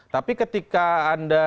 tapi ketika anda